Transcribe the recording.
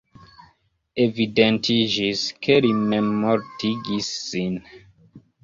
Evidentiĝis, ke li memmortigis sin.